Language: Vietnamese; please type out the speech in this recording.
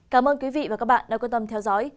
cảm ơn quý vị và các bạn đã quan tâm theo dõi